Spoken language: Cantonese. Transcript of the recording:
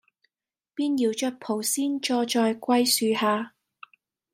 便搖著蒲扇坐在槐樹下，